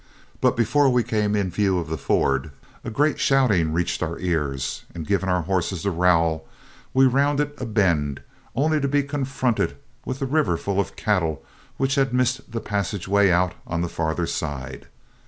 But before we came in view of the ford, a great shouting reached our ears, and giving our horses the rowel, we rounded a bend, only to be confronted with the river full of cattle which had missed the passageway out on the farther side.